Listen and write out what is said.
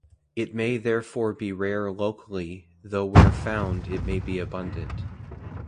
It may therefore be rare locally, though where found it may be abundant.